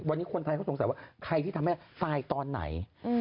วันนี้คนไทยเขาสงสัยว่าใครที่ทำให้ตายตอนไหน